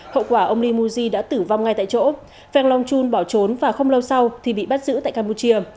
hậu quả ông limoji đã tử vong ngay tại chỗ pheng long chun bỏ trốn và không lâu sau thì bị bắt giữ tại campuchia